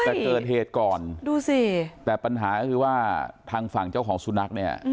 แต่เกิดเหตุก่อนดูสิแต่ปัญหาก็คือว่าทางฝั่งเจ้าของสุนัขเนี่ย